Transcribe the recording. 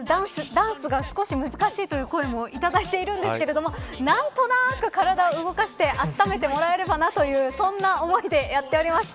ダンスが少し難しいという声もいただいているんですけれども何となく体を動かして温めてもらえばなというそんな思いでやっております。